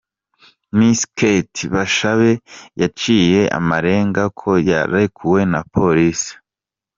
Miss Kate Bashabe yaciye amarenga ko yarekuwe na Polisi.